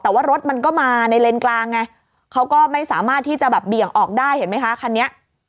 แต่ว่ารถมันก็มาในเลนกลางไงเขาก็ไม่สามารถที่จะแบบเบี่ยงออกได้เห็นไหมคะคันนี้